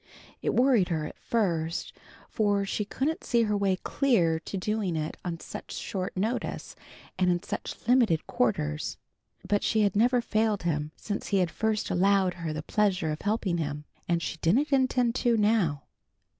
It worried her at first, for she couldn't see her way clear to doing it on such short notice and in such limited quarters. But she had never failed him since he had first allowed her the pleasure of helping him, and she didn't intend to now.